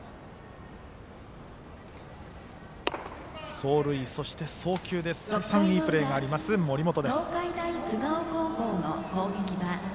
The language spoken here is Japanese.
走塁、そして送球で再三いいプレーのある森本。